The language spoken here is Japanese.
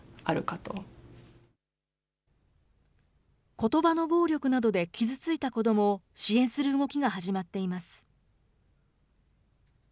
ことばの暴力などで傷ついた子どもを支援する動きが始まっています。